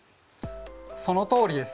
そのとおりです。